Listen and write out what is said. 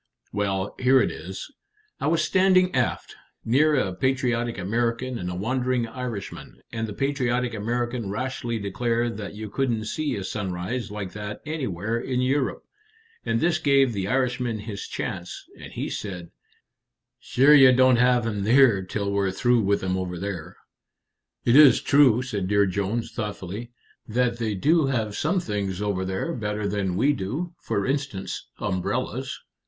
"Well, here it is. I was standing aft, near a patriotic American and a wandering Irishman, and the patriotic American rashly declared that you couldn't see a sunrise like that anywhere in Europe, and this gave the Irishman his chance, and he said, 'Sure ye don't have'm here till we're through with 'em over there.'" "It is true," said Dear Jones, thoughtfully, "that they do have some things over there better than we do; for instance, umbrellas."